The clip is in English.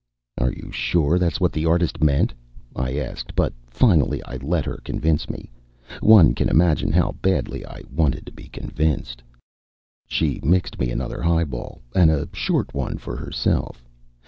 "Are you sure that's what the artist meant?" I asked, but finally I let her convince me. One can imagine how badly I wanted to be convinced. She mixed me another highball, and a short one for herself.